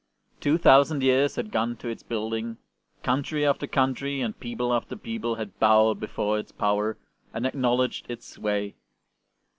Two thousand years had gone to its building; country after country and people after people had bowed before its power and acknowledged its sway.